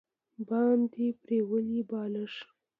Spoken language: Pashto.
باندې پریولي بالښت